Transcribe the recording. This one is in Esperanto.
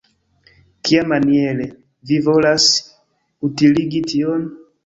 Kiamaniere vi volas utiligi tion?